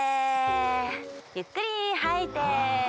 ゆっくりはいて。